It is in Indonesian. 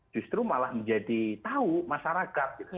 justru malah menjadi tahu masyarakat